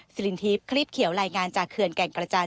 สิรินทิพย์คลีบเขียวรายงานจากเขื่อนแก่งกระจาน